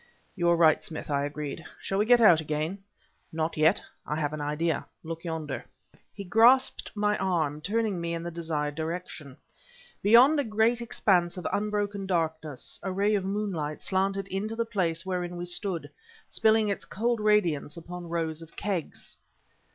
"You are right, Smith," I agreed. "Shall we get out again?" "Not yet. I have an idea. Look yonder." He grasped my arm, turning me in the desired direction. Beyond a great expanse of unbroken darkness a ray of moonlight slanted into the place wherein we stood, spilling its cold radiance upon rows of kegs.